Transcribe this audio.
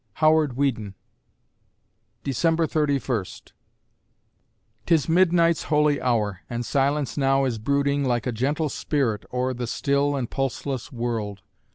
HOWARD WEEDEN December Thirty First 'Tis midnight's holy hour and silence now Is brooding, like a gentle spirit, o'er The still and pulseless world.